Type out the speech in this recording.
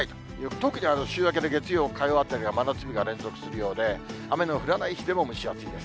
特に週明けの月曜、火曜あたりは真夏日が連続するようで、雨の降らない日でも蒸し暑いです。